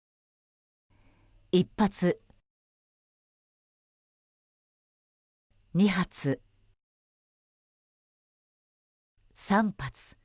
１発、２発、３発。